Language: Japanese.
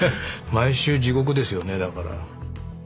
毎週地獄ですよねだから。